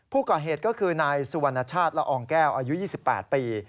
ผู้ก่อเหตุก็คือนายสุวรรณชาติละอองแก้วอายุ๒๘ปี